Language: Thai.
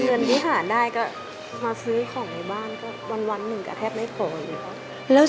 เงินนี้หาได้มาซื้อของในบ้านก็วันหนึ่งก็แทบไม่ข่อยเลย